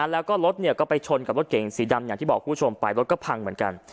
แล้วก็รถก็ไปชนกับรถเก่งสีดำอย่างที่บอกคุณผู้ชมไปรถก็พังเหมือนกัน